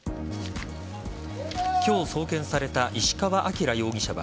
今日、送検された石川晃容疑者は